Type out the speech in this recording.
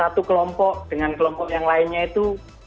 satu kelompok dengan kelompok yang lainnya itu